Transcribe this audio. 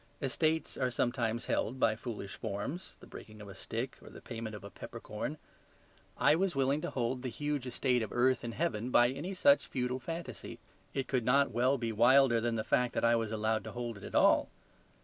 Estates are sometimes held by foolish forms, the breaking of a stick or the payment of a peppercorn: I was willing to hold the huge estate of earth and heaven by any such feudal fantasy. It could not well be wilder than the fact that I was allowed to hold it at all.